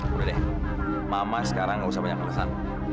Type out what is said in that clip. boleh deh mama sekarang nggak usah banyak alasan